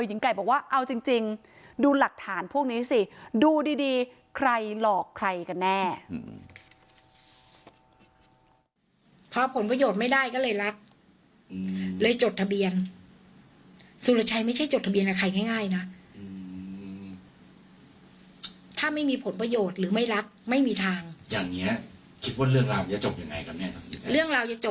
หญิงไก่บอกว่าเอาจริงดูหลักฐานพวกนี้สิดูดีใครหลอกใครกันแน่